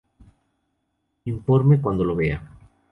Informe cuando lo vea.